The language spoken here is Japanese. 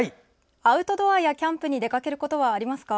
アウトドアやキャンプに出かけることはありますか？